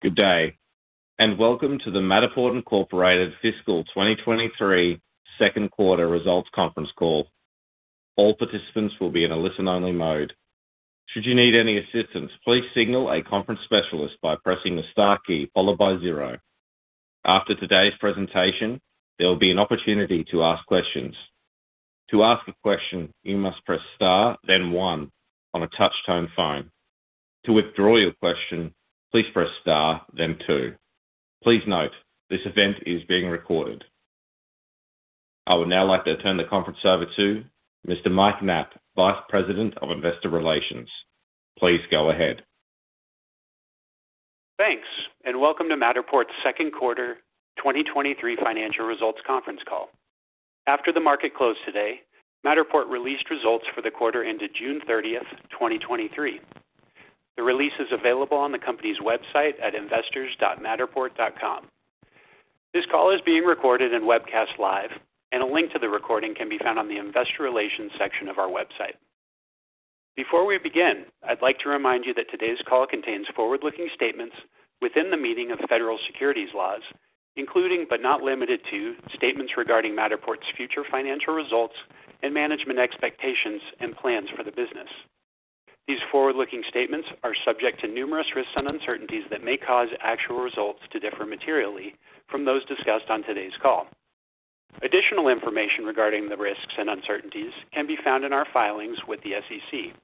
Good day, welcome to the Matterport Incorporated Fiscal 2023 second quarter results conference call. All participants will be in a listen-only mode. Should you need any assistance, please signal a conference specialist by pressing the star key followed by zero. After today's presentation, there will be an opportunity to ask questions. To ask a question, you must press star, then one on a touch-tone phone. To withdraw your question, please press star, then two. Please note, this event is being recorded. I would now like to turn the conference over to Mr. Mike Knapp, Vice President of Investor Relations. Please go ahead. Thanks, and welcome to Matterport's second quarter 2023 financial results conference call. After the market closed today, Matterport released results for the quarter ended June 30th, 2023. The release is available on the company's website at investors.matterport.com. This call is being recorded and webcast live, and a link to the recording can be found on the investor relations section of our website. Before we begin, I'd like to remind you that today's call contains forward-looking statements within the meaning of federal securities laws, including, but not limited to, statements regarding Matterport's future financial results and management expectations and plans for the business. These forward-looking statements are subject to numerous risks and uncertainties that may cause actual results to differ materially from those discussed on today's call. Additional information regarding the risks and uncertainties can be found in our filings with the SEC.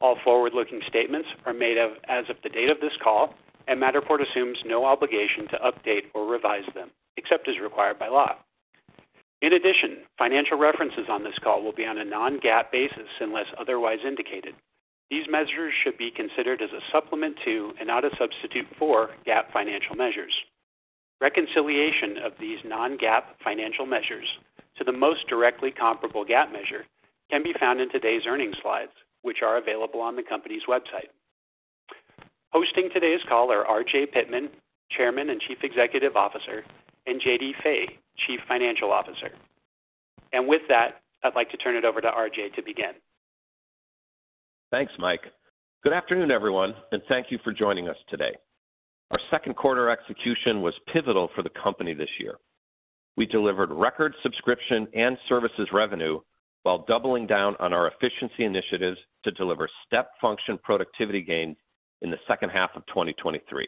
All forward-looking statements are made of as of the date of this call, and Matterport assumes no obligation to update or revise them, except as required by law. In addition, financial references on this call will be on a non-GAAP basis unless otherwise indicated. These measures should be considered as a supplement to, and not a substitute for, GAAP financial measures. Reconciliation of these non-GAAP financial measures to the most directly comparable GAAP measure can be found in today's earnings slides, which are available on the company's website. Hosting today's call are RJ Pittman, Chairman and Chief Executive Officer, and J.D. Fay, Chief Financial Officer. With that, I'd like to turn it over to RJ to begin. Thanks, Mike. Good afternoon, everyone, and thank you for joining us today. Our second quarter execution was pivotal for the company this year. We delivered record subscription and services revenue while doubling down on our efficiency initiatives to deliver step function productivity gains in the second half of 2023.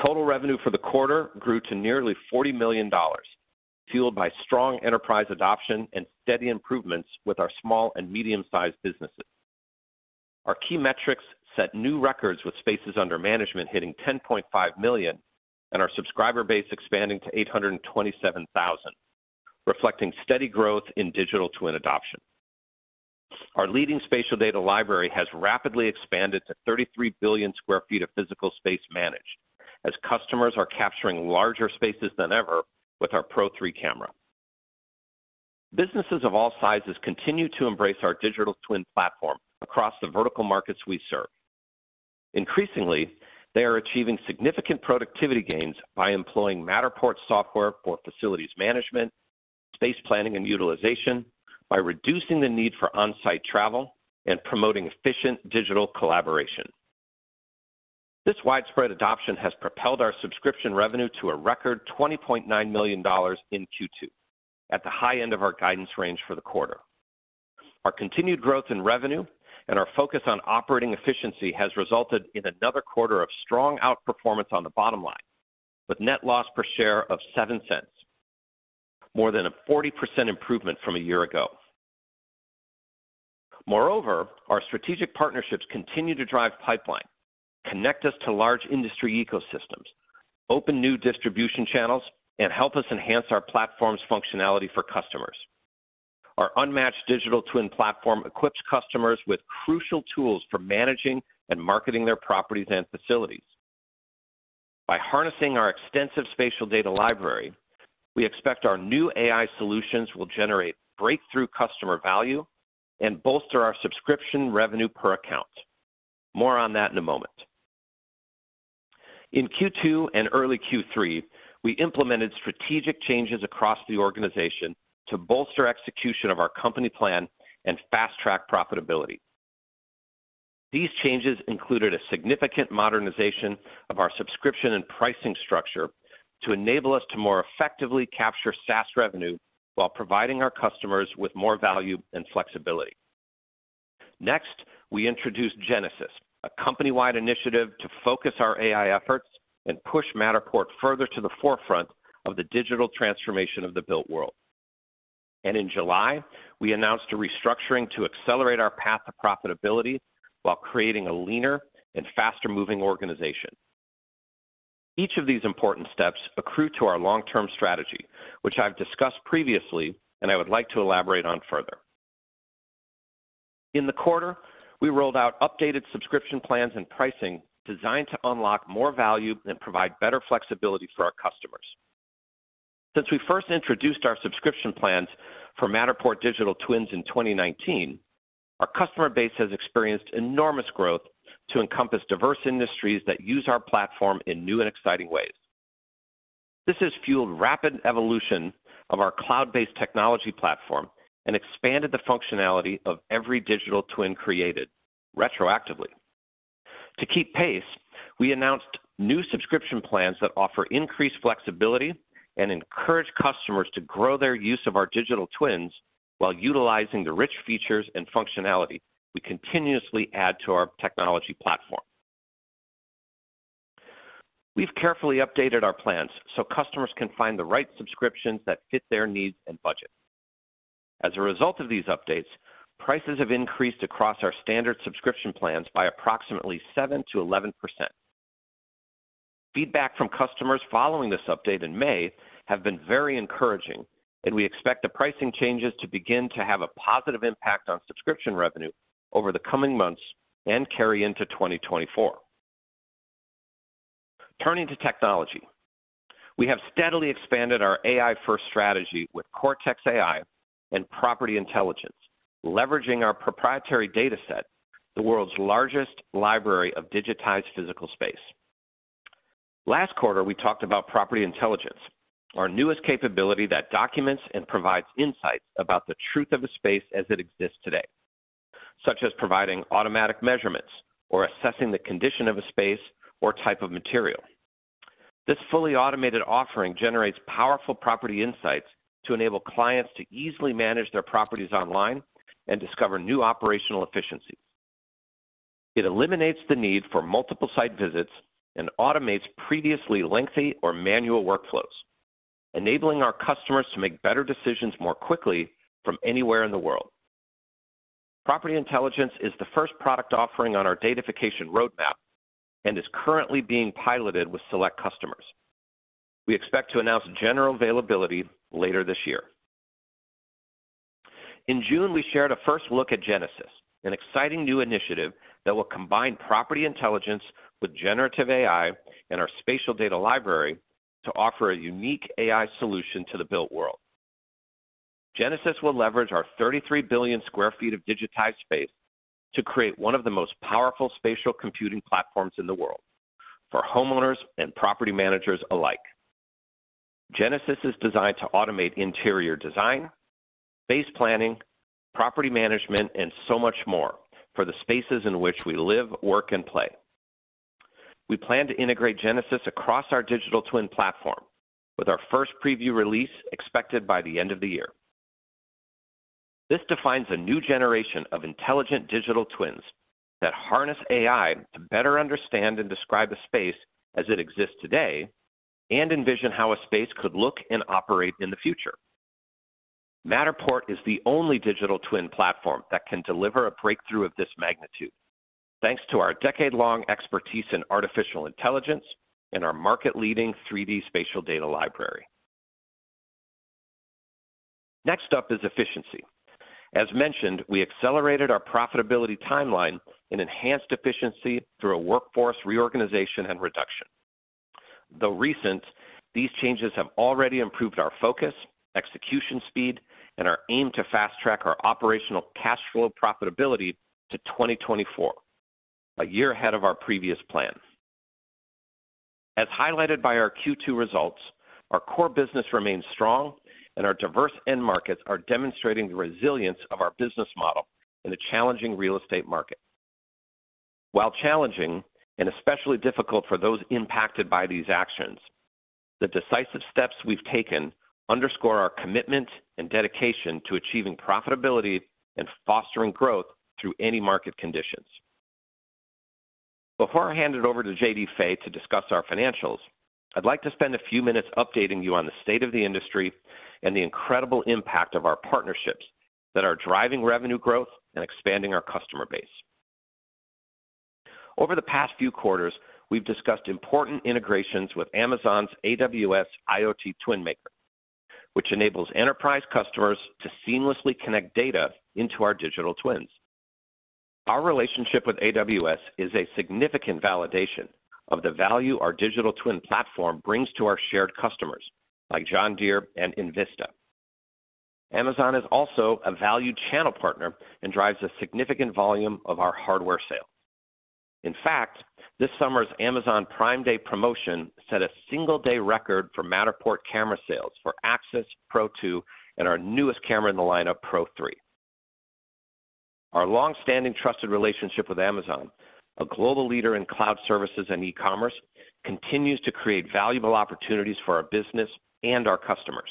Total revenue for the quarter grew to nearly $40 million, fueled by strong enterprise adoption and steady improvements with our small and medium-sized businesses. Our key metrics set new records with spaces under management hitting 10.5 million and our subscriber base expanding to 827,000, reflecting steady growth in digital twin adoption. Our leading spatial data library has rapidly expanded to 33 billion sq ft of physical space managed, as customers are capturing larger spaces than ever with our Pro3 camera. Businesses of all sizes continue to embrace our digital twin platform across the vertical markets we serve. Increasingly, they are achieving significant productivity gains by employing Matterport software for facilities management, space planning and utilization by reducing the need for on-site travel and promoting efficient digital collaboration. This widespread adoption has propelled our subscription revenue to a record $20.9 million in Q2, at the high end of our guidance range for the quarter. Our continued growth in revenue and our focus on operating efficiency has resulted in another quarter of strong outperformance on the bottom line, with net loss per share of $0.07, more than a 40% improvement from a year ago. Moreover, our strategic partnerships continue to drive pipeline, connect us to large industry ecosystems, open new distribution channels, and help us enhance our platform's functionality for customers. Our unmatched digital twin platform equips customers with crucial tools for managing and marketing their properties and facilities. By harnessing our extensive spatial data library, we expect our new AI solutions will generate breakthrough customer value and bolster our subscription revenue per account. More on that in a moment. In Q2 and early Q3, we implemented strategic changes across the organization to bolster execution of our company plan and fast-track profitability. These changes included a significant modernization of our subscription and pricing structure to enable us to more effectively capture SaaS revenue while providing our customers with more value and flexibility. Next, we introduced Genesis, a company-wide initiative to focus our AI efforts and push Matterport further to the forefront of the digital transformation of the built world. In July, we announced a restructuring to accelerate our path to profitability while creating a leaner and faster-moving organization. Each of these important steps accrue to our long-term strategy, which I've discussed previously and I would like to elaborate on further. In the quarter, we rolled out updated subscription plans and pricing designed to unlock more value and provide better flexibility for our customers. Since we first introduced our subscription plans for Matterport digital twins in 2019, our customer base has experienced enormous growth to encompass diverse industries that use our platform in new and exciting ways. This has fueled rapid evolution of our cloud-based technology platform and expanded the functionality of every digital twin created, retroactively. To keep pace, we announced new subscription plans that offer increased flexibility and encourage customers to grow their use of our digital twins while utilizing the rich features and functionality we continuously add to our technology platform. We've carefully updated our plans so customers can find the right subscriptions that fit their needs and budget. As a result of these updates, prices have increased across our standard subscription plans by approximately 7%-11%. Feedback from customers following this update in May have been very encouraging, and we expect the pricing changes to begin to have a positive impact on subscription revenue over the coming months and carry into 2024. Turning to technology. We have steadily expanded our AI-first strategy with Cortex AI and Property Intelligence, leveraging our proprietary dataset, the world's largest library of digitized physical space. Last quarter, we talked about Property Intelligence, our newest capability that documents and provides insights about the truth of a space as it exists today, such as providing automatic measurements or assessing the condition of a space or type of material. This fully automated offering generates powerful property insights to enable clients to easily manage their properties online and discover new operational efficiencies. It eliminates the need for multiple site visits and automates previously lengthy or manual workflows, enabling our customers to make better decisions more quickly from anywhere in the world. Property Intelligence is the first product offering on our datafication roadmap and is currently being piloted with select customers. We expect to announce general availability later this year. In June, we shared a first look at Genesis, an exciting new initiative that will combine Property Intelligence with generative AI and our spatial data library to offer a unique AI solution to the built world. Genesis will leverage our 33 billion sq ft of digitized space to create one of the most powerful spatial computing platforms in the world for homeowners and property managers alike. Genesis is designed to automate interior design, space planning, property management, and so much more for the spaces in which we live, work, and play. We plan to integrate Genesis across our digital twin platform, with our first preview release expected by the end of the year. This defines a new generation of intelligent digital twins that harness AI to better understand and describe a space as it exists today, and envision how a space could look and operate in the future. Matterport is the only digital twin platform that can deliver a breakthrough of this magnitude, thanks to our decade-long expertise in artificial intelligence and our market-leading 3D spatial data library. Next up is efficiency. As mentioned, we accelerated our profitability timeline and enhanced efficiency through a workforce reorganization and reduction. Though recent, these changes have already improved our focus, execution speed, and our aim to fast-track our operational cash flow profitability to 2024, a year ahead of our previous plan. As highlighted by our Q2 results, our core business remains strong, and our diverse end markets are demonstrating the resilience of our business model in a challenging real estate market. While challenging, and especially difficult for those impacted by these actions, the decisive steps we've taken underscore our commitment and dedication to achieving profitability and fostering growth through any market conditions. Before I hand it over to J.D. Fay to discuss our financials, I'd like to spend a few minutes updating you on the state of the industry and the incredible impact of our partnerships that are driving revenue growth and expanding our customer base. Over the past few quarters, we've discussed important integrations with Amazon's AWS IoT TwinMaker, which enables enterprise customers to seamlessly connect data into our digital twins. Our relationship with AWS is a significant validation of the value our digital twin platform brings to our shared customers, like John Deere and INVISTA. Amazon is also a valued channel partner and drives a significant volume of our hardware sales. In fact, this summer's Amazon Prime Day promotion set a single-day record for Matterport camera sales for Axis, Pro2, and our newest camera in the lineup, Pro3. Our long-standing, trusted relationship with Amazon, a global leader in cloud services and e-commerce, continues to create valuable opportunities for our business and our customers.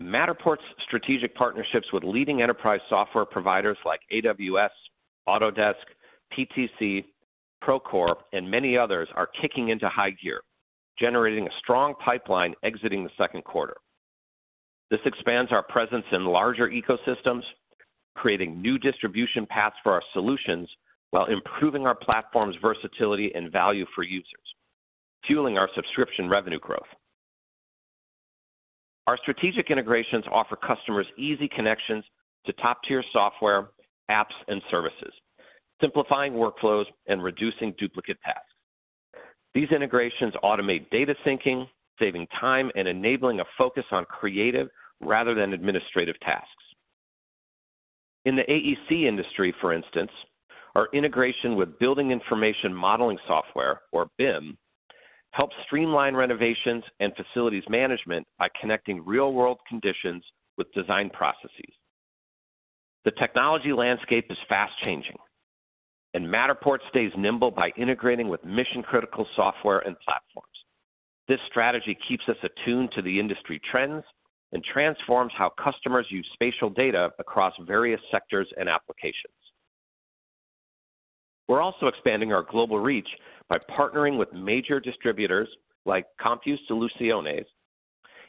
Matterport's strategic partnerships with leading enterprise software providers like AWS, Autodesk, PTC, Procore, and many others are kicking into high gear, generating a strong pipeline exiting the second quarter. This expands our presence in larger ecosystems, creating new distribution paths for our solutions while improving our platform's versatility and value for users, fueling our subscription revenue growth. Our strategic integrations offer customers easy connections to top-tier software, apps, and services, simplifying workflows and reducing duplicate tasks. These integrations automate data syncing, saving time, and enabling a focus on creative rather than administrative tasks.... In the AEC industry, for instance, our integration with building information modeling software, or BIM, helps streamline renovations and facilities management by connecting real-world conditions with design processes. The technology landscape is fast-changing, and Matterport stays nimble by integrating with mission-critical software and platforms. This strategy keeps us attuned to the industry trends and transforms how customers use spatial data across various sectors and applications. We're also expanding our global reach by partnering with major distributors like CompuSoluciones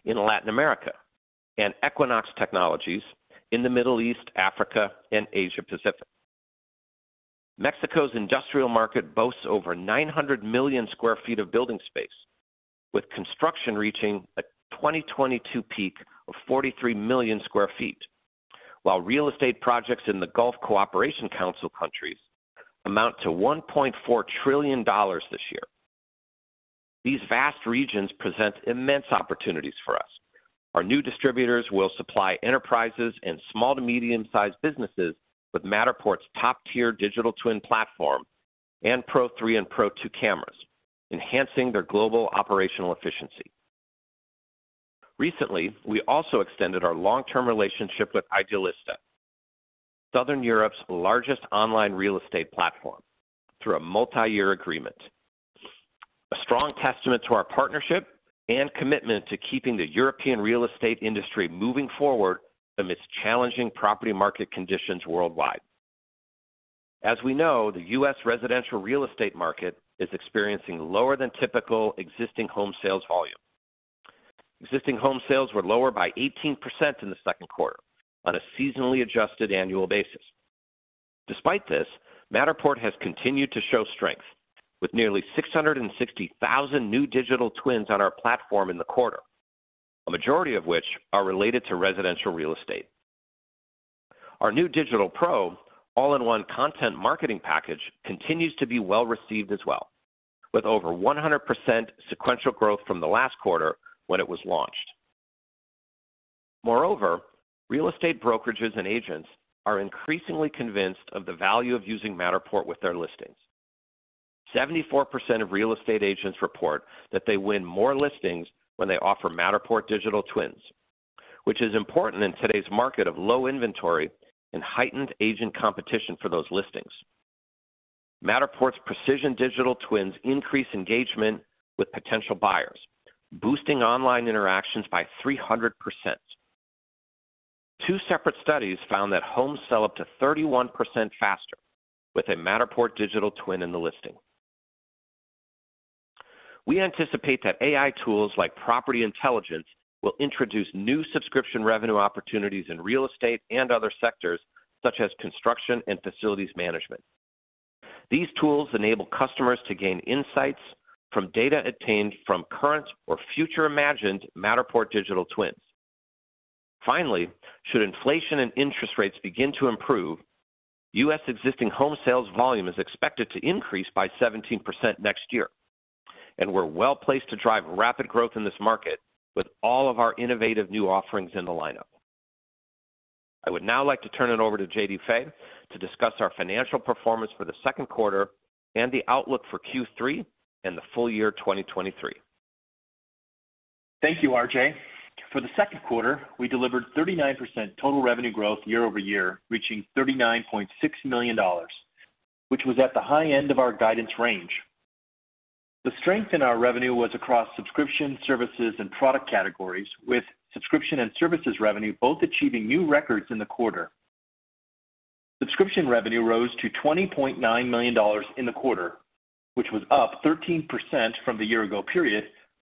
in Latin America and Equinox Technologies in the Middle East, Africa, and Asia Pacific. Mexico's industrial market boasts over 900 million sq ft of building space, with construction reaching a 2022 peak of 43 million sq ft, while real estate projects in the Gulf Cooperation Council countries amount to $1.4 trillion this year. These vast regions present immense opportunities for us. Our new distributors will supply enterprises and small to medium-sized businesses with Matterport's top-tier digital twin platform and Pro3 and Pro2 cameras, enhancing their global operational efficiency. Recently, we also extended our long-term relationship with idealista, Southern Europe's largest online real estate platform, through a multi-year agreement. A strong testament to our partnership and commitment to keeping the European real estate industry moving forward amidst challenging property market conditions worldwide. As we know, the US residential real estate market is experiencing lower than typical existing home sales volume. Existing home sales were lower by 18% in the second quarter on a seasonally adjusted annual basis. Despite this, Matterport has continued to show strength, with nearly 660,000 new digital twins on our platform in the quarter, a majority of which are related to residential real estate. Our new Digital Pro all-in-one content marketing package continues to be well-received as well, with over 100% sequential growth from the last quarter when it was launched. Moreover, real estate brokerages and agents are increasingly convinced of the value of using Matterport with their listings. 74% of real estate agents report that they win more listings when they offer Matterport digital twins, which is important in today's market of low inventory and heightened agent competition for those listings. Matterport's precision digital twins increase engagement with potential buyers, boosting online interactions by 300%. Two separate studies found that homes sell up to 31% faster with a Matterport digital twin in the listing. We anticipate that AI tools like Property Intelligence will introduce new subscription revenue opportunities in real estate and other sectors, such as construction and facilities management. These tools enable customers to gain insights from data obtained from current or future imagined Matterport digital twins. Finally, should inflation and interest rates begin to improve, U.S. existing home sales volume is expected to increase by 17% next year, and we're well-placed to drive rapid growth in this market with all of our innovative new offerings in the lineup. I would now like to turn it over to J.D. Fay to discuss our financial performance for the second quarter and the outlook for Q3 and the full year 2023. Thank you, RJ. For the second quarter, we delivered 39% total revenue growth year-over-year, reaching $39.6 million, which was at the high end of our guidance range. The strength in our revenue was across subscription, services, and product categories, with subscription and services revenue both achieving new records in the quarter. Subscription revenue rose to $20.9 million in the quarter, which was up 13% from the year ago period,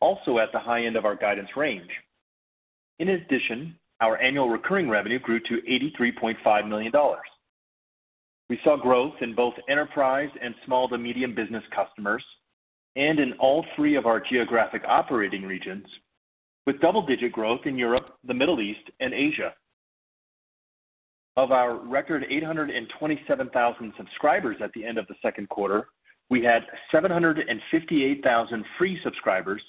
also at the high end of our guidance range. In addition, our annual recurring revenue grew to $83.5 million. We saw growth in both enterprise and small to medium business customers and in all three of our geographic operating regions, with double-digit growth in Europe, the Middle East, and Asia. Of our record, 827,000 subscribers at the end of the second quarter, we had 758,000 free subscribers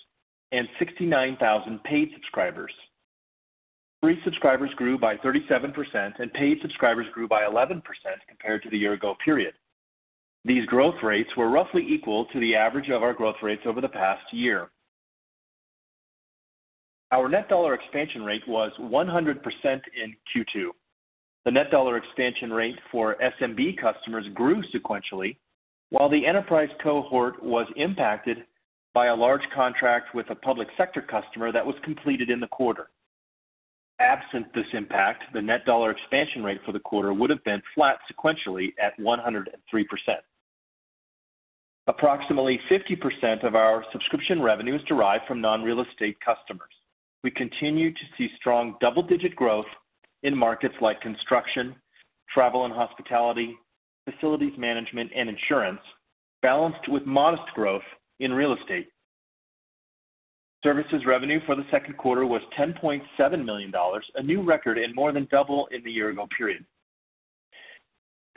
and 69,000 paid subscribers. Free subscribers grew by 37%, and paid subscribers grew by 11% compared to the year ago period. These growth rates were roughly equal to the average of our growth rates over the past year. Our net dollar expansion rate was 100% in Q2. The net dollar expansion rate for SMB customers grew sequentially, while the enterprise cohort was impacted by a large contract with a public sector customer that was completed in the quarter. Absent this impact, the net dollar expansion rate for the quarter would have been flat sequentially at 103%. Approximately 50% of our subscription revenue is derived from non-real estate customers. We continue to see strong double-digit growth in markets like construction, travel and hospitality, facilities management, and insurance, balanced with modest growth in real estate. Services revenue for the second quarter was $10.7 million, a new record and more than double in the year-ago period.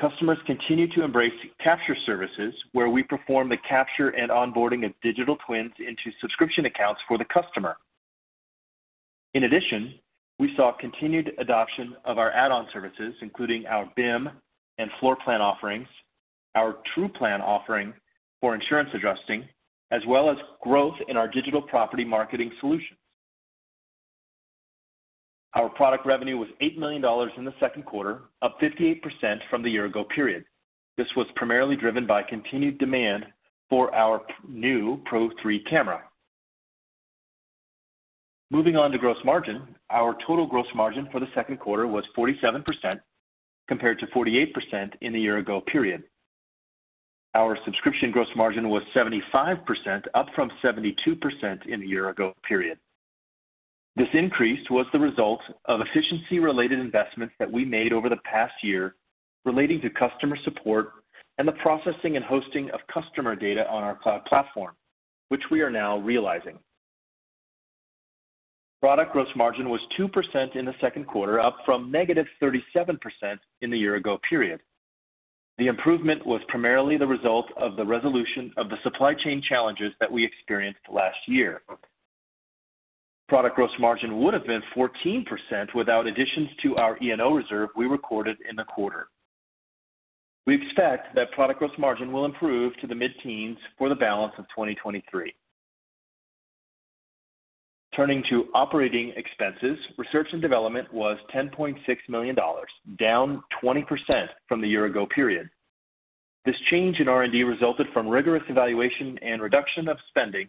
Customers continue to embrace capture services, where we perform the capture and onboarding of digital twins into subscription accounts for the customer. In addition, we saw continued adoption of our add-on services, including our BIM and floor plan offerings, our TruePlan offering for insurance adjusting, as well as growth in our digital property marketing solutions. Our product revenue was $8 million in the second quarter, up 58% from the year ago period. This was primarily driven by continued demand for our new Pro3 camera. Moving on to gross margin. Our total gross margin for the second quarter was 47%, compared to 48% in the year ago period. Our subscription gross margin was 75%, up from 72% in the year ago period. This increase was the result of efficiency-related investments that we made over the past year, relating to customer support and the processing and hosting of customer data on our cloud platform, which we are now realizing. Product gross margin was 2% in the second quarter, up from negative 37% in the year ago period. The improvement was primarily the result of the resolution of the supply chain challenges that we experienced last year. Product gross margin would have been 14% without additions to our E&O reserve we recorded in the quarter. We expect that product gross margin will improve to the mid-teens for the balance of 2023. Turning to operating expenses, research and development was $10.6 million, down 20% from the year-ago period. This change in R&D resulted from rigorous evaluation and reduction of spending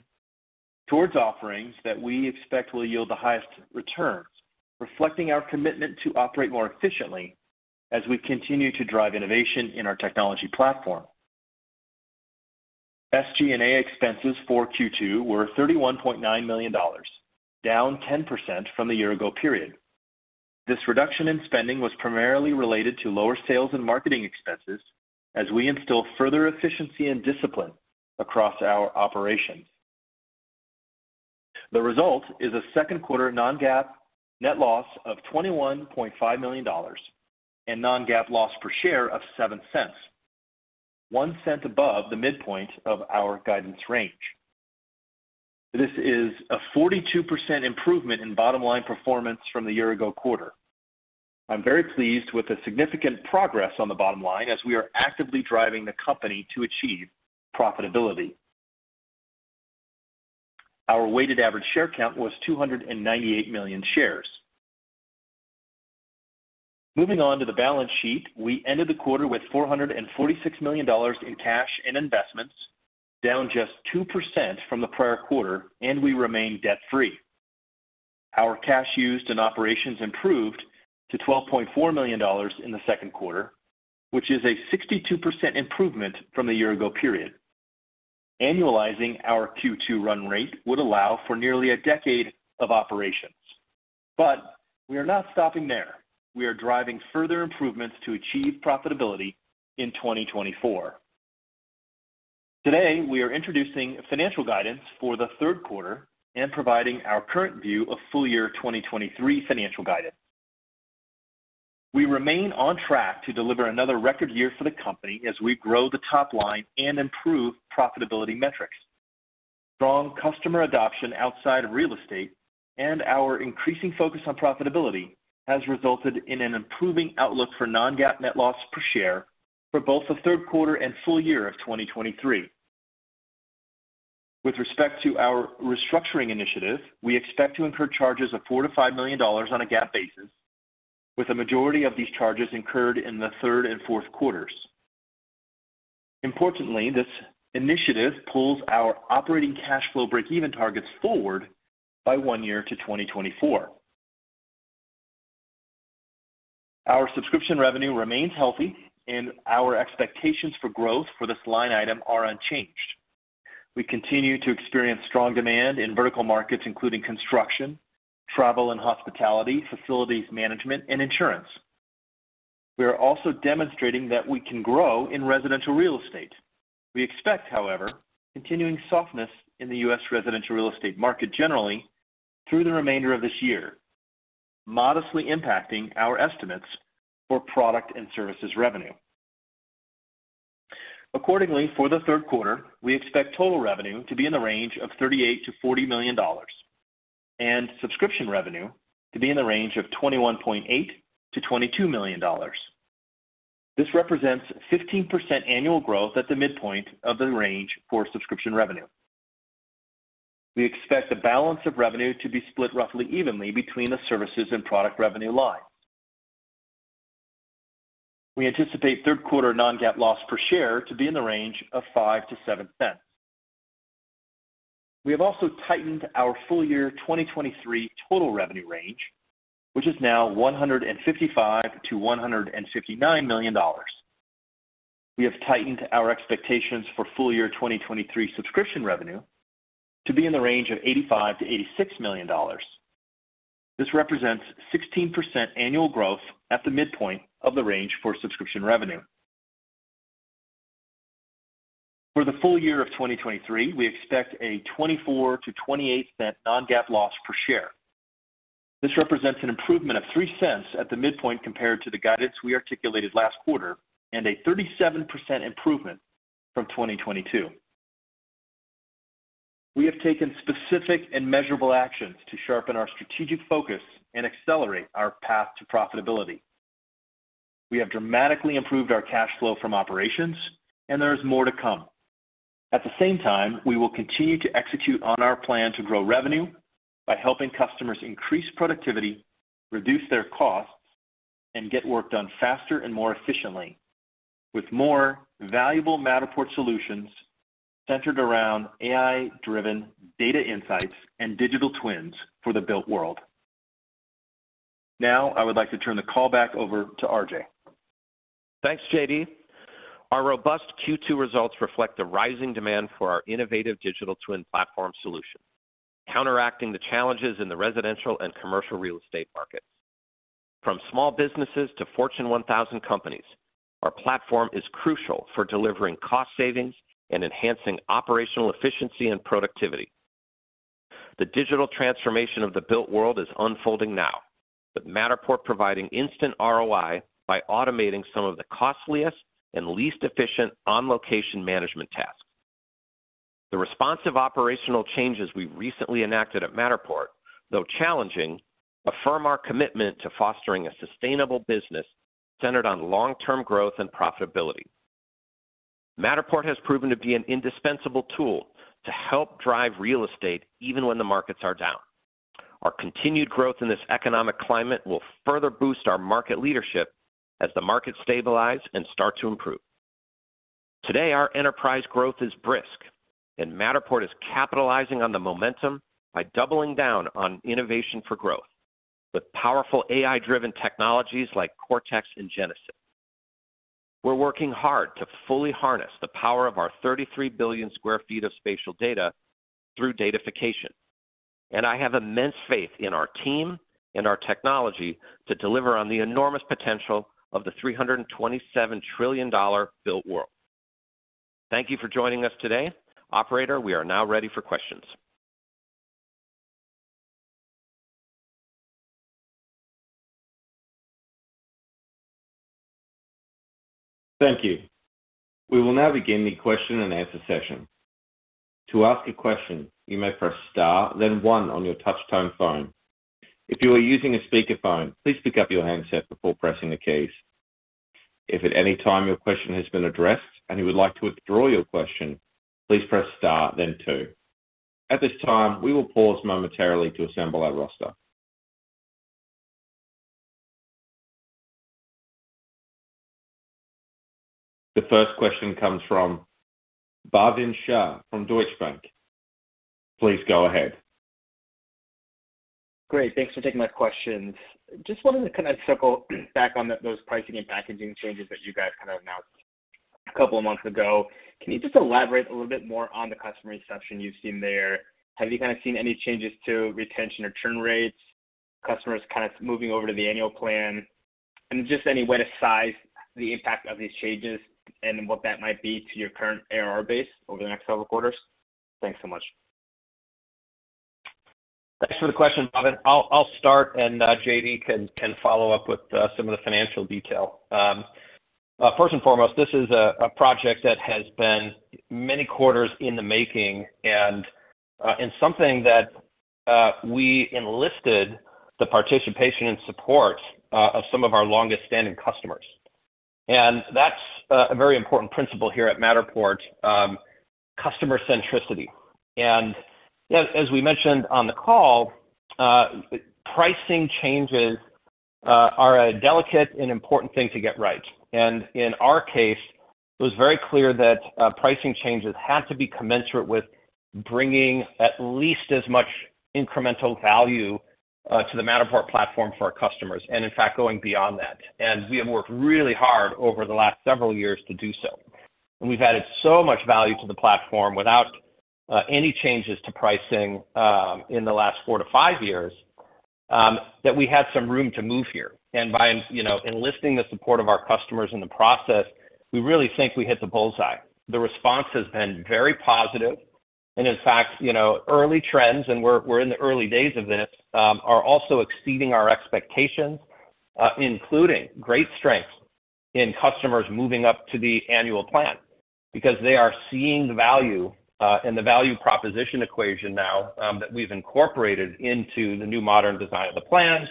towards offerings that we expect will yield the highest returns, reflecting our commitment to operate more efficiently as we continue to drive innovation in our technology platform. SG&A expenses for Q2 were $31.9 million, down 10% from the year-ago period. This reduction in spending was primarily related to lower sales and marketing expenses as we instill further efficiency and discipline across our operations. The result is a second quarter non-GAAP net loss of $21.5 million and non-GAAP loss per share of $0.07, $0.01 above the midpoint of our guidance range. This is a 42% improvement in bottom line performance from the year-ago quarter. I'm very pleased with the significant progress on the bottom line as we are actively driving the company to achieve profitability. Our weighted average share count was 298 million shares. Moving on to the balance sheet. We ended the quarter with $446 million in cash and investments, down just 2% from the prior quarter, and we remain debt-free. Our cash used in operations improved to $12.4 million in the second quarter, which is a 62% improvement from the year ago period. Annualizing our Q2 run rate would allow for nearly a decade of operations. We are not stopping there. We are driving further improvements to achieve profitability in 2024. Today, we are introducing financial guidance for the third quarter and providing our current view of full year 2023 financial guidance. We remain on track to deliver another record year for the company as we grow the top line and improve profitability metrics. Strong customer adoption outside of real estate and our increasing focus on profitability has resulted in an improving outlook for non-GAAP net loss per share for both the third quarter and full year of 2023. With respect to our restructuring initiative, we expect to incur charges of $4 million-$5 million on a GAAP basis, with the majority of these charges incurred in the third and fourth quarters. Importantly, this initiative pulls our operating cash flow breakeven targets forward by 1 year to 2024. Our subscription revenue remains healthy, and our expectations for growth for this line item are unchanged. We continue to experience strong demand in vertical markets, including construction, travel and hospitality, facilities management, and insurance. We are also demonstrating that we can grow in residential real estate. We expect, however, continuing softness in the US residential real estate market generally through the remainder of this year, modestly impacting our estimates for product and services revenue. Accordingly, for the third quarter, we expect total revenue to be in the range of $38 million-$40 million and subscription revenue to be in the range of $21.8 million-$22 million. This represents 15% annual growth at the midpoint of the range for subscription revenue. We expect the balance of revenue to be split roughly evenly between the services and product revenue lines. We anticipate third quarter non-GAAP loss per share to be in the range of $0.05-$0.07. We have also tightened our full year 2023 total revenue range, which is now $155 million-$159 million. We have tightened our expectations for full year 2023 subscription revenue to be in the range of $85 million-$86 million. This represents 16% annual growth at the midpoint of the range for subscription revenue. For the full year of 2023, we expect a $0.24-$0.28 non-GAAP loss per share. This represents an improvement of $0.03 at the midpoint compared to the guidance we articulated last quarter, and a 37% improvement from 2022. We have taken specific and measurable actions to sharpen our strategic focus and accelerate our path to profitability. We have dramatically improved our cash flow from operations, there is more to come. At the same time, we will continue to execute on our plan to grow revenue by helping customers increase productivity, reduce their costs, and get work done faster and more efficiently, with more valuable Matterport solutions centered around AI-driven data insights and digital twins for the built world. Now, I would like to turn the call back over to RJ. Thanks, J.D. Our robust Q2 results reflect the rising demand for our innovative digital twin platform solution, counteracting the challenges in the residential and commercial real estate markets. From small businesses to Fortune 1000 companies, our platform is crucial for delivering cost savings and enhancing operational efficiency and productivity. The digital transformation of the built world is unfolding now, with Matterport providing instant ROI by automating some of the costliest and least efficient on-location management tasks. The responsive operational changes we recently enacted at Matterport, though challenging, affirm our commitment to fostering a sustainable business centered on long-term growth and profitability. Matterport has proven to be an indispensable tool to help drive real estate even when the markets are down. Our continued growth in this economic climate will further boost our market leadership as the markets stabilize and start to improve. Today, our enterprise growth is brisk, and Matterport is capitalizing on the momentum by doubling down on innovation for growth with powerful AI-driven technologies like Cortex and Genesis. We're working hard to fully harness the power of our 33 billion sq ft of spatial data through datafication, and I have immense faith in our team and our technology to deliver on the enormous potential of the $327 trillion built world. Thank you for joining us today. Operator, we are now ready for questions. Thank you. We will now begin the question and answer session. To ask a question, you may press star, then one on your touch-tone phone. If you are using a speakerphone, please pick up your handset before pressing the keys. If at any time your question has been addressed and you would like to withdraw your question, please press star, then two. At this time, we will pause momentarily to assemble our roster. The first question comes from Bhavin Shah from Deutsche Bank. Please go ahead. Great, thanks for taking my questions. Just wanted to kind of circle back on those pricing and packaging changes that you guys kind of announced 2 months ago. Can you just elaborate a little bit more on the customer reception you've seen there? Have you kind of seen any changes to retention or churn rates, customers kind of moving over to the annual plan? Just any way to size the impact of these changes and what that might be to your current ARR base over the next several quarters? Thanks so much. Thanks for the question, Bhavin. I'll, I'll start, and J.D. can, can follow up with some of the financial detail. First and foremost, this is a project that has been many quarters in the making and something that we enlisted the participation and support of some of our longest-standing customers. That's a very important principle here at Matterport, customer centricity. As, as we mentioned on the call, pricing changes are a delicate and important thing to get right. In our case, it was very clear that pricing changes had to be commensurate with bringing at least as much incremental value to the Matterport platform for our customers, and in fact, going beyond that. We have worked really hard over the last several years to do so. We've added so much value to the platform without any changes to pricing in the last 4 to 5 years that we had some room to move here. By, you know, enlisting the support of our customers in the process, we really think we hit the bullseye. The response has been very positive, and in fact, you know, early trends, and we're, we're in the early days of this, are also exceeding our expectations, including great strength in customers moving up to the annual plan. They are seeing the value and the value proposition equation now that we've incorporated into the new modern design of the plans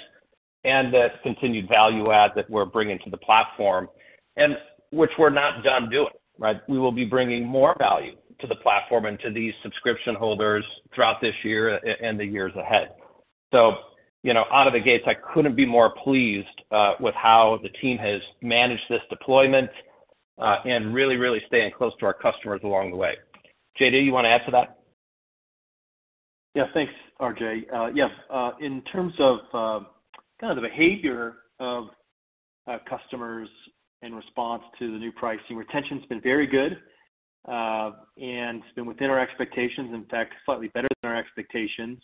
and the continued value add that we're bringing to the platform, and which we're not done doing, right? We will be bringing more value to the platform and to these subscription holders throughout this year and the years ahead. You know, out of the gates, I couldn't be more pleased with how the team has managed this deployment and really, really staying close to our customers along the way. J.D., you want to add to that? Yeah. Thanks, RJ. Yes, in terms of kind of the behavior of customers in response to the new pricing, retention's been very good, and it's been within our expectations, in fact, slightly better than our expectations.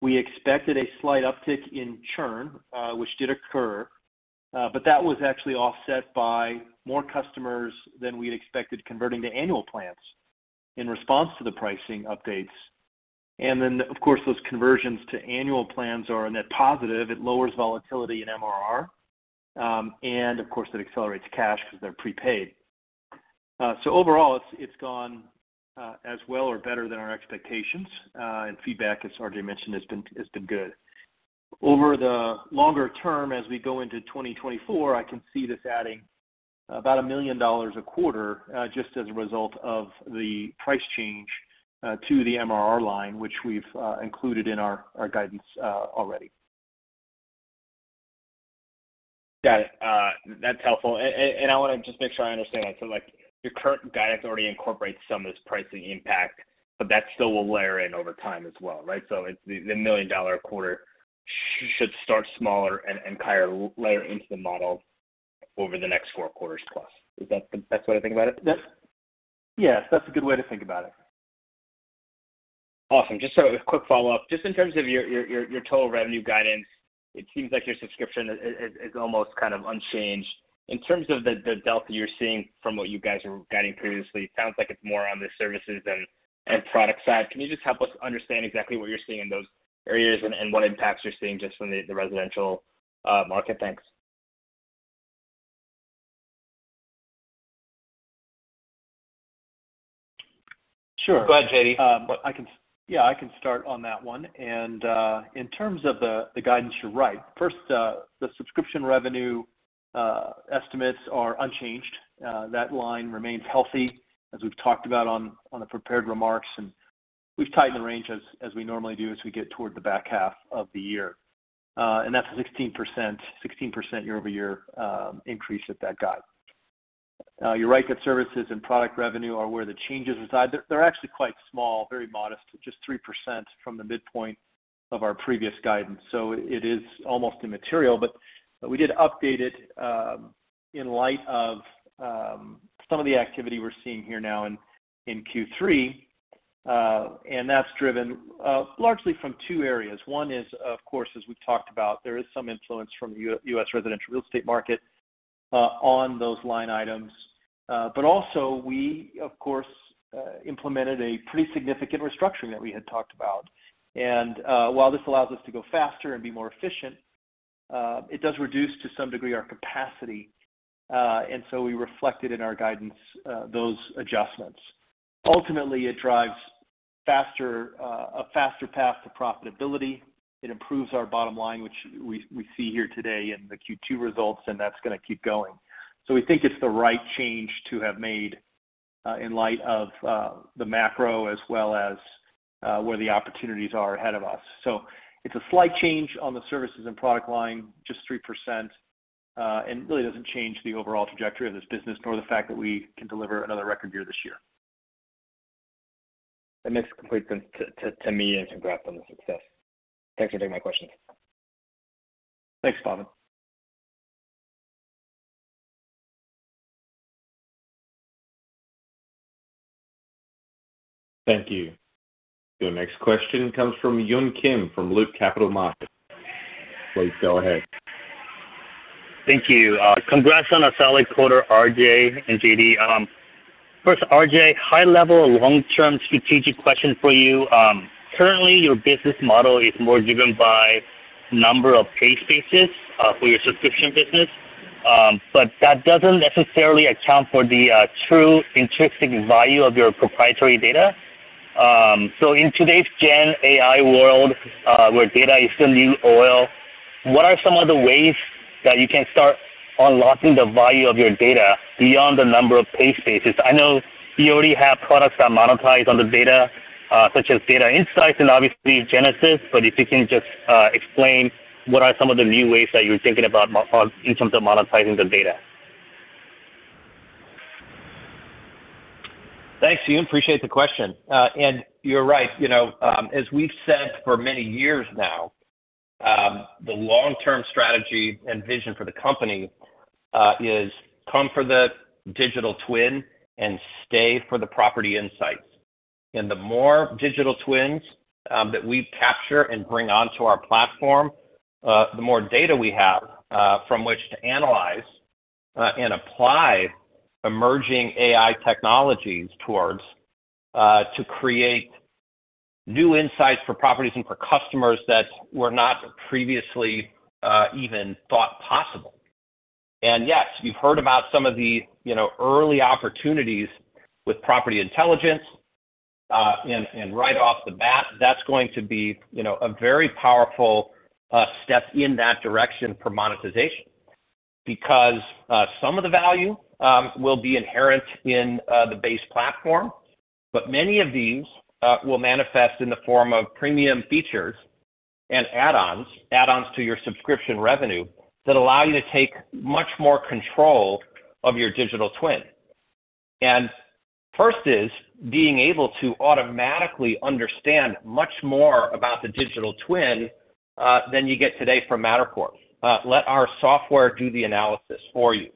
We expected a slight uptick in churn, which did occur, but that was actually offset by more customers than we'd expected converting to annual plans in response to the pricing updates. Of course, those conversions to annual plans are a net positive. It lowers volatility in MRR, and of course, it accelerates cash because they're prepaid. Overall, it's, it's gone as well or better than our expectations, and feedback, as RJ mentioned, has been, has been good. Over the longer term, as we go into 2024, I can see this adding about $1 million a quarter, just as a result of the price change, to the MRR line, which we've included in our, our guidance, already. Got it. That's helpful. I want to just make sure I understand. Your current guidance already incorporates some of this pricing impact, but that still will layer in over time as well, right? It's the, the $1 million a quarter should start smaller and kind of layer into the model over the next four quarters plus. Is that the best way to think about it? Yes, that's a good way to think about it. Awesome. Just so a quick follow-up. Just in terms of your total revenue guidance, it seems like your subscription is almost kind of unchanged. In terms of the delta you're seeing from what you guys were guiding previously, it sounds like it's more on the services and product side. Can you just help us understand exactly what you're seeing in those areas and what impacts you're seeing just from the residential market? Thanks. Sure. Go ahead, J.D. Yeah, I can start on that one. In terms of the guidance, you're right. First, the subscription revenue estimates are unchanged. That line remains healthy, as we've talked about on the prepared remarks, and we've tightened the range as we normally do, as we get toward the back half of the year. That's a 16%, 16% year-over-year increase at that guide. You're right that services and product revenue are where the changes reside. They're actually quite small, very modest, just 3% from the midpoint of our previous guidance, so it is almost immaterial. We did update it in light of some of the activity we're seeing here now in Q3, and that's driven largely from two areas. One is, of course, as we've talked about, there is some influence from the U.S. residential real estate market on those line items. Also we, of course, implemented a pretty significant restructuring that we had talked about. While this allows us to go faster and be more efficient, it does reduce to some degree our capacity, and so we reflected in our guidance those adjustments. Ultimately, it drives faster, a faster path to profitability. It improves our bottom line, which we, we see here today in the Q2 results, and that's going to keep going. We think it's the right change to have made in light of the macro as well as where the opportunities are ahead of us. It's a slight change on the services and product line, just 3%, and really doesn't change the overall trajectory of this business, nor the fact that we can deliver another record year this year. That makes complete sense to me, and congrats on the success. Thanks for taking my questions. Thanks, Bhavin. Thank you. Your next question comes from Yun Kim, from Loop Capital Markets. Please go ahead. Thank you. Congrats on a solid quarter, RJ and J.D. First, RJ, high level, long-term strategic question for you. Currently, your business model is more driven by number of page spaces for your subscription business, but that doesn't necessarily account for the true intrinsic value of your proprietary data. In today's Gen AI world, where data is the new oil, what are some of the ways that you can start unlocking the value of your data beyond the number of page spaces? I know you already have products that monetize on the data, such as data insights and obviously Genesis, but if you can just explain what are some of the new ways that you're thinking about in terms of monetizing the data? Thanks, Yun. Appreciate the question. You're right, you know, as we've said for many years now, the long-term strategy and vision for the company is come for the digital twin and stay for the property insights. The more digital twins that we capture and bring onto our platform, the more data we have from which to analyze and apply emerging AI technologies towards, to create new insights for properties and for customers that were not previously even thought possible. Yes, you've heard about some of the, you know, early opportunities with Property Intelligence, and right off the bat, that's going to be, you know, a very powerful step in that direction for monetization. Some of the value will be inherent in the base platform, but many of these will manifest in the form of premium features and add-ons, add-ons to your subscription revenue that allow you to take much more control of your digital twin. First is being able to automatically understand much more about the digital twin than you get today from Matterport. Let our software do the analysis for you.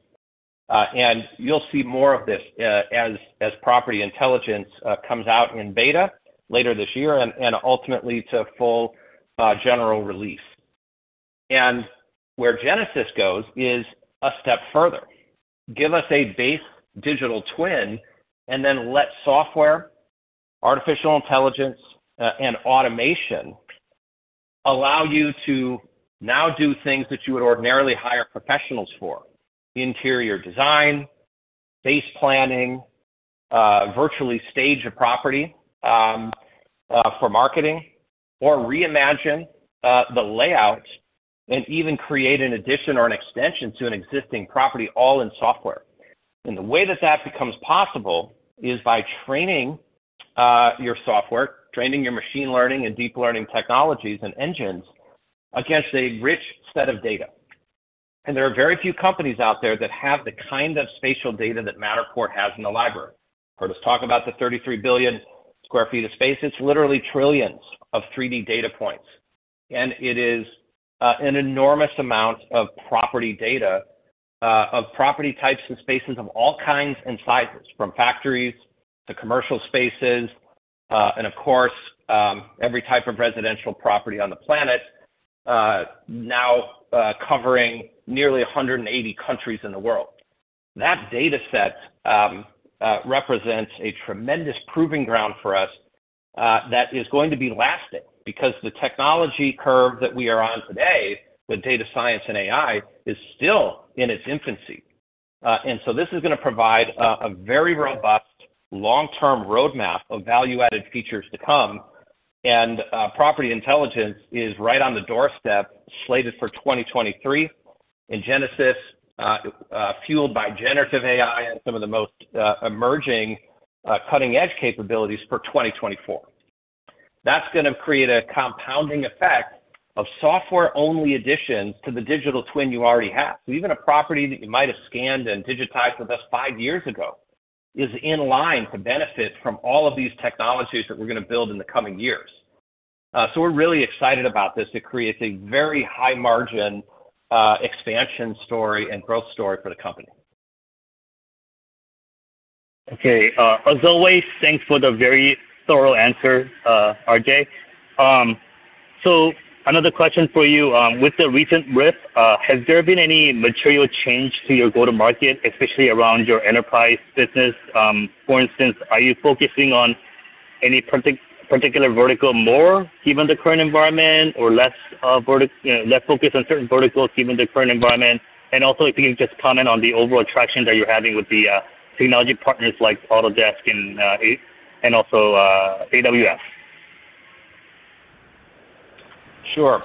You'll see more of this as, as Property Intelligence comes out in beta later this year and, and ultimately to full general release. Where Genesis goes is a step further. Give us a base digital twin, and then let software, artificial intelligence, and automation allow you to now do things that you would ordinarily hire professionals for: interior design, space planning, virtually stage a property, for marketing, or reimagine the layout and even create an addition or an extension to an existing property, all in software. The way that that becomes possible is by training your software, training your machine learning and deep learning technologies and engines against a rich set of data. There are very few companies out there that have the kind of spatial data that Matterport has in the library. Heard us talk about the 33 billion sq ft of space. It's literally trillions of 3D data points, and it is an enormous amount of property data, of property types and spaces of all kinds and sizes, from factories to commercial spaces, and of course, every type of residential property on the planet, now covering nearly 180 countries in the world. That data set represents a tremendous proving ground for us that is going to be lasting, because the technology curve that we are on today with data science and AI is still in its infancy. And so this is going to provide a very robust, long-term roadmap of value-added features to come. Property Intelligence is right on the doorstep, slated for 2023, and Genesis, fueled by generative AI and some of the most emerging, cutting-edge capabilities for 2024. That's going to create a compounding effect of software-only additions to the digital twin you already have. Even a property that you might have scanned and digitized with us 5 years ago is in line to benefit from all of these technologies that we're going to build in the coming years. We're really excited about this. It creates a very high margin, expansion story and growth story for the company. Okay, as always, thanks for the very thorough answer, RJ. Another question for you. With the recent riff, has there been any material change to your go-to-market, especially around your enterprise business? For instance, are you focusing on any particular vertical more, given the current environment, or less, you know, less focus on certain verticals, given the current environment? Also, if you can just comment on the overall traction that you're having with the technology partners like Autodesk and also AWS. Sure.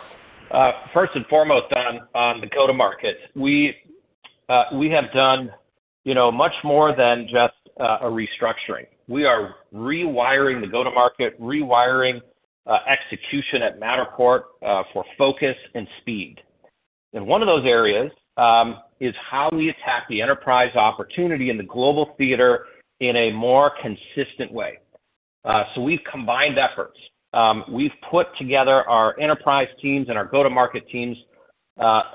First and foremost, on, on the go-to-market, we, we have done, you know, much more than just a restructuring. We are rewiring the go-to-market, rewiring execution at Matterport for focus and speed. One of those areas is how do we attack the enterprise opportunity in the global theater in a more consistent way? We've combined efforts. We've put together our enterprise teams and our go-to-market teams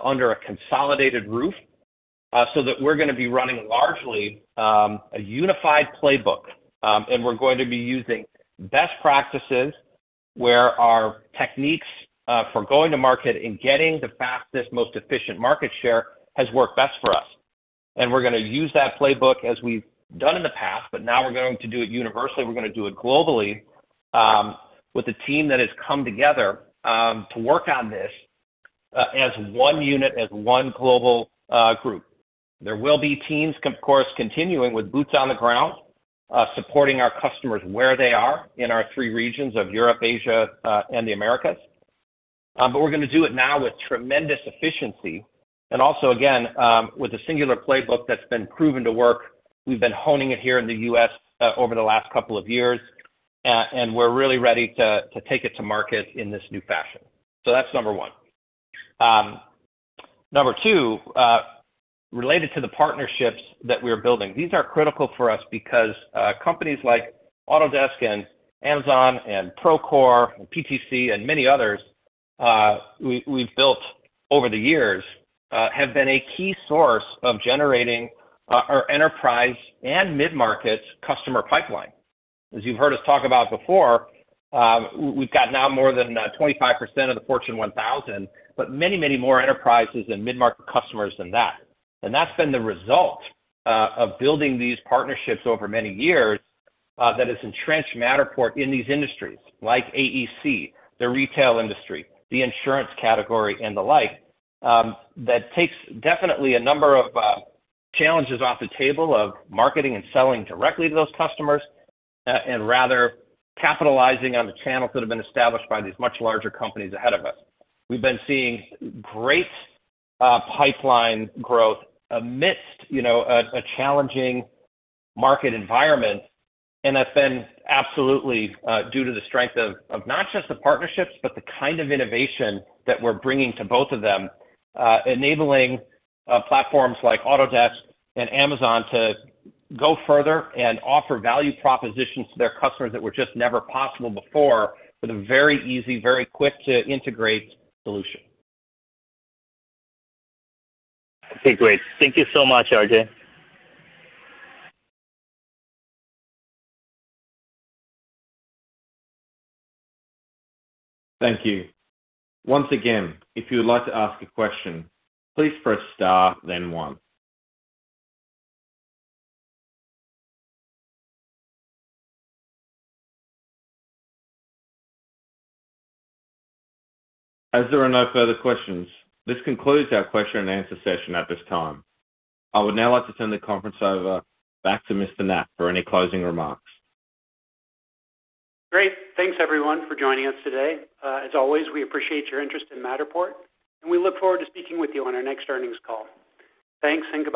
under a consolidated roof so that we're going to be running largely a unified playbook. We're going to be using best practices, where our techniques for going to market and getting the fastest, most efficient market share has worked best for us. We're going to use that playbook as we've done in the past, but now we're going to do it universally. We're going to do it globally, with a team that has come together to work on this as one unit, as one global group. There will be teams, of course, continuing with boots on the ground, supporting our customers where they are in our 3 regions of Europe, Asia, and the Americas. We're going to do it now with tremendous efficiency and also, again, with a singular playbook that's been proven to work. We've been honing it here in the US, over the last couple of years, and we're really ready to, to take it to market in this new fashion. That's number 1. number two, related to the partnerships that we're building, these are critical for us because companies like Autodesk and Amazon, and Procore, and PTC, and many others, we've built over the years, have been a key source of generating our enterprise and mid-market customer pipeline. As you've heard us talk about before, we've got now more than 25% of the Fortune 1000, but many, many more enterprises and mid-market customers than that. That's been the result of building these partnerships over many years that has entrenched Matterport in these industries, like AEC, the retail industry, the insurance category, and the like. That takes definitely a number of challenges off the table of marketing and selling directly to those customers, and rather capitalizing on the channels that have been established by these much larger companies ahead of us. We've been seeing great pipeline growth amidst, you know, a challenging market environment, and that's been absolutely due to the strength of not just the partnerships, but the kind of innovation that we're bringing to both of them, enabling platforms like Autodesk and Amazon to go further and offer value propositions to their customers that were just never possible before, with a very easy, very quick to integrate solution. Okay, great. Thank you so much, RJ. Thank you. Once again, if you would like to ask a question, please press Star, then One. As there are no further questions, this concludes our question and answer session at this time. I would now like to turn the conference over back to Mr. Knapp for any closing remarks. Great. Thanks, everyone, for joining us today. As always, we appreciate your interest in Matterport, and we look forward to speaking with you on our next earnings call. Thanks and goodbye.